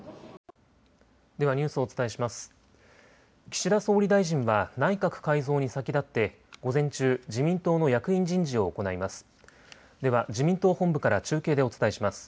岸田総理大臣は内閣改造に先立って午前中、自民党の役員人事を行います。